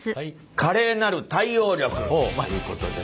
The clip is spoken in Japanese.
「華麗なる対応力！！」いうことでね。